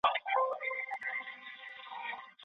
زده کړه په هر مسلمان فرض ده.